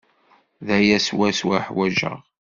D aya swaswa i uḥwajeɣ.